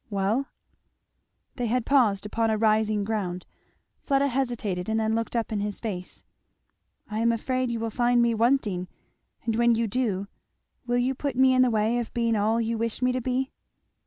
"Well? " They had paused upon a rising ground. Fleda hesitated, and then looked up in his face. "I am afraid you will find me wanting, and when you do, will you put me in the way of being all you wish me to be?"